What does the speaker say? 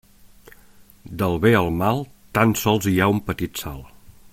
Del bé al mal tan sols hi ha un petit salt.